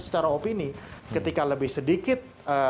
secara opini ketika lebih sedikit